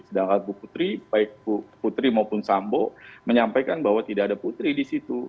sedangkan bu putri baik putri maupun sambo menyampaikan bahwa tidak ada putri di situ